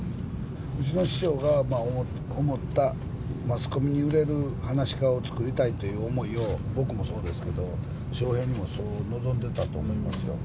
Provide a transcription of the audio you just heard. うちの師匠が思った、マスコミに売れるはなし家を作りたいという思いを、僕もそうですけど、笑瓶にもそう望んでたと思いますよ。